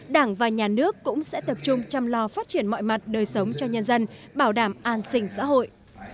đảng và nhà nước cũng sẽ tập trung chăm lo phát triển mọi mặt đời sống cho nhân dân bảo đảm an sinh xã hội